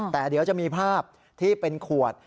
แต่เดี๋ยวจะมีภาพที่เป็นขวด